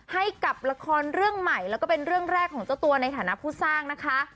ให้กับละครเรื่องใหม่แล้วก็เป็นเรื่องแรกของเจ้าตัวในฐานะผู้สร้างนะคะ